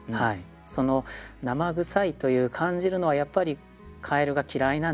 そのなまぐさいという感じるのはやっぱりカエルが嫌いなんでしょうね。